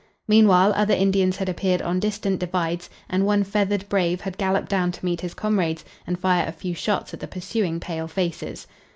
Meanwhile other Indians had appeared on distant divides, and one feathered brave had galloped down to meet his comrades, and fire a few shots at the pursuing pale faces.